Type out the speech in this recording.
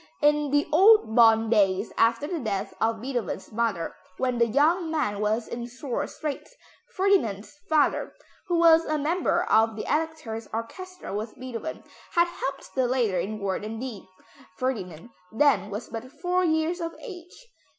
In the old Bonn days, after the death of Beethoven's mother, when the young man was in sore straits, Ferdinand's father, who was a member of the Elector's orchestra with Beethoven, had helped the latter in word and deed. Ferdinand then was but four years of age.